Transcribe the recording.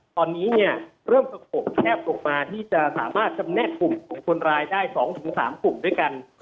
ตอนนี้เนี่ยเริ่มสงบแคบลงมาที่จะสามารถจำแนกกลุ่มของคนร้ายได้๒๓กลุ่มด้วยกัน